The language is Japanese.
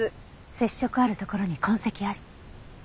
接触あるところに痕跡あり。